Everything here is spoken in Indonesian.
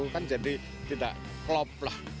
kan jadi tidak klop lah